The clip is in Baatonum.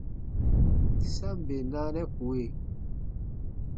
Sa ǹ bè naanɛ kue.